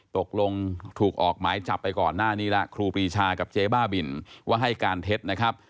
ตกลงถูกออกหมายจับไปก่อนหน้านี้แล้วครูปรีชากับเจ๊บ้าบินว่าให้การเท็จนะครับ